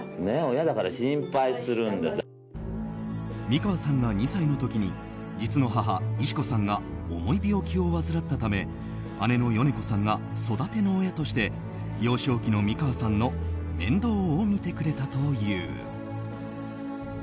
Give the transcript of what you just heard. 美川さんが２歳の時に実の母・以し子さんが重い病気を患ったため姉の米子さんが育ての親として幼少期の美川さんの面倒を見てくれたという。